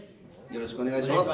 よろしくお願いします。